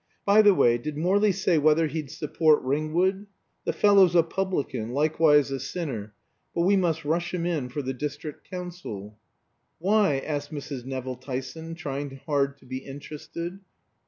"By the way, did Morley say whether he'd support Ringwood! The fellow's a publican, likewise a sinner, but we must rush him in for the District Council." "Why?" asked Mrs. Nevill Tyson, trying hard to be interested.